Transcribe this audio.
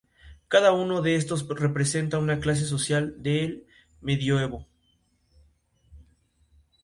Allí estudió en la Universidad McGill en Montreal.